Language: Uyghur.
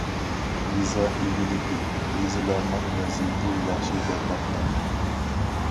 يېزا ئىگىلىكى، يېزىلارنىڭ ۋەزىيىتى ياخشى بولماقتا.